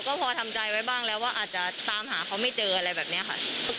ก็พอทำใจไว้บ้างแล้วว่าอาจจะตามหาเขาไม่เจออะไรแบบนี้ค่ะ